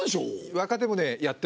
若手もねやってます。